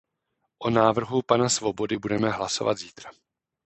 O návrhu pana Swobody budeme hlasovat zítra.